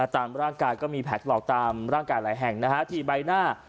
ตามร่างกายก็มีแผลถลอกตามร่างกายหลายแห่งที่ใบหน้า